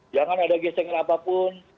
jangan ada gesengan apapun